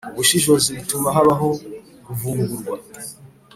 ubushishozi bituma habaho kuvumburwa